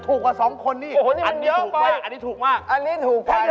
ถูกกว่าสองคนนี่โอ้โฮนี่มันเยอะไปอันนี้ถูกมาก